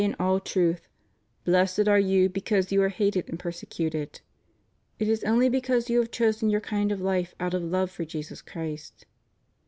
507 in all truth: Blessed are you because you are hated and ■persecuted. It is only because you have chosen your kind of life out of love for Jesus Christ.